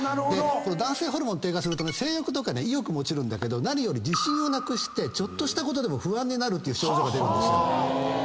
この男性ホルモン低下すると性欲とか意欲も落ちるんだけど何より自信をなくしてちょっとしたことでも不安になるっていう症状が出るんですよ。